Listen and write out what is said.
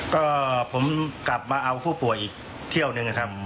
ก็ผมกลับมาเอาผู้ป่วยอีกเที่ยวหนึ่งนะครับ